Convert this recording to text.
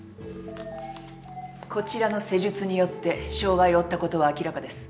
こちらの施術によって傷害を負ったことは明らかです。